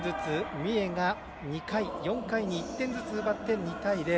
三重が２回、４回に１点ずつ奪って２対０。